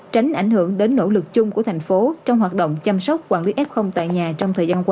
tránh ảnh hưởng đến nỗ lực chung của thành phố trong hoạt động chăm sóc quản lý f tại nhà trong thời gian qua